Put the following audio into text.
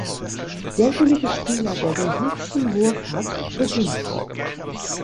Derjenige Spieler, der den höchsten Wurf hat, beginnt.